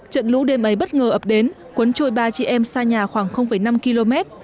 trận lũ đêm ấy bất ngờ ập đến cuốn trôi ba chị em xa nhà khoảng năm km